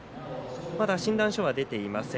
まだ診断書が出ていません。